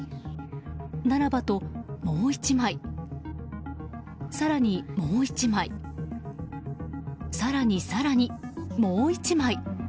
ならばと、もう１枚更に、もう１枚更に更に、もう１枚。